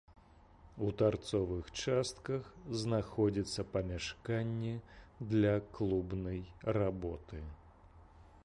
У тарцовых частках знаходзяцца памяшканні для клубнай работы.